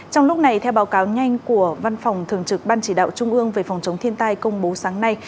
trong lúc này theo báo cáo nhanh của văn phòng thường trực ban chỉ đạo trung ương về phòng chống thiên tai công bố sáng nay